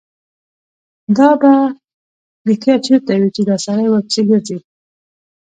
دا به رښتیا چېرته وي چې دا سړی ورپسې ګرځي.